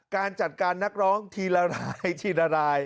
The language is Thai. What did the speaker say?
การจัดการนักร้องทีละรายทีละราย